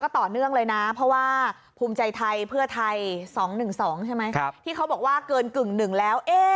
ต่อเนื่องเลยนะเพราะว่าภูมิใจไทยเพื่อไทย๒๑๒ใช่ไหมที่เขาบอกว่าเกินกึ่งหนึ่งแล้ว